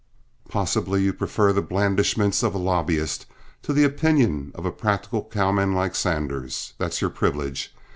Possibly you prefer the blandishments of a lobbyist to the opinion of a practical cowman like Sanders. That's your privilege.